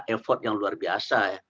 effort yang luar biasa